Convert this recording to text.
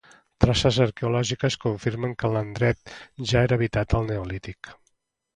Traces arqueològiques confirmen que l'endret ja era habitat al neolític.